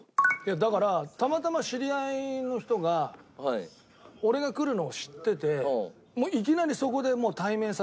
だからたまたま知り合いの人が俺が来るのを知ってていきなりそこで対面させられちゃったわけよ。